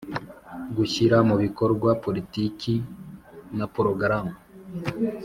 Gushyira Mu Bikorwa Politiki Na Porogaramu